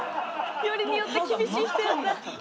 よりによって厳しい人やった。